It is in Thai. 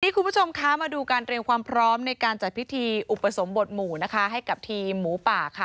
คุณผู้ชมคะมาดูการเตรียมความพร้อมในการจัดพิธีอุปสมบทหมู่นะคะให้กับทีมหมูป่าค่ะ